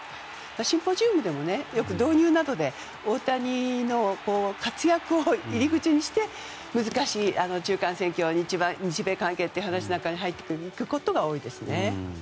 シンポジウムでも導入などで大谷の活躍を入り口にして難しい中間選挙や日米関係なんていう話に入っていくことが多いですね。